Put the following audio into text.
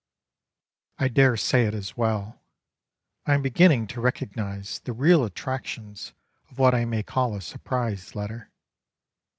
I dare say it is as well. I am beginning to recognise the real attractions of what I may call a "surprise letter."